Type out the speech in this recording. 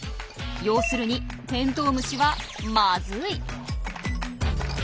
要するにテントウムシはまずい！